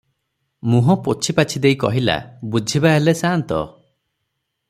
ମୁହଁ ପୋଛିପାଛି ଦେଇ କହିଲା- ବୁଝିବା ହେଲେ ସାନ୍ତ!